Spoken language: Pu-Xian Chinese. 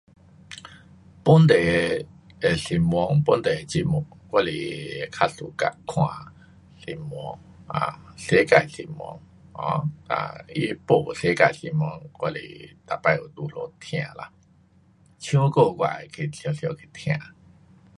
本地的的新闻，本地的新闻，我是较 suka 看新闻，um 世界新闻 um 啊它会报世界新闻我是每次有那里听啦。唱歌我也会去常常去听。